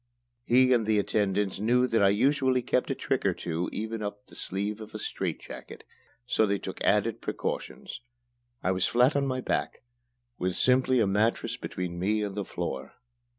He and the attendants knew that I usually kept a trick or two even up the sleeve of a strait jacket, so they took added precautions. I was flat on my back, with simply a mattress between me and the floor.